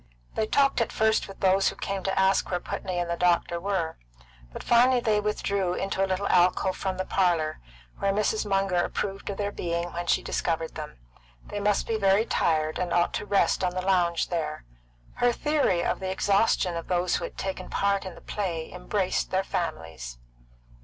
They talked at first with those who came to ask where Putney and the doctor were; but finally they withdrew into a little alcove from the parlour, where Mrs. Munger approved of their being when she discovered them; they must be very tired, and ought to rest on the lounge there. Her theory of the exhaustion of those who had taken part in the play embraced their families.